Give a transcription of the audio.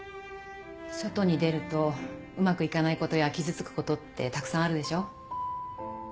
外に出るとうまくいかないことや傷つくことってたくさんあるでしょ？